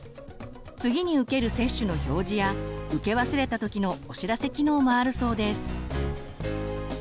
次に受ける接種の表示や受け忘れた時のお知らせ機能もあるそうです。